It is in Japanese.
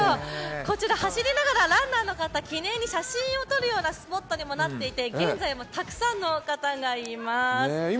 こちら走りながらランナーの方記念に写真を撮るようなスポットにもなっていて現在もたくさんの方がいます。